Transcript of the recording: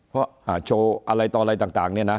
เพราะโชว์อะไรต่ออะไรต่างเนี่ยนะ